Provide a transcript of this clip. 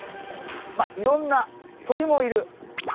まあいろんな鳥もいる。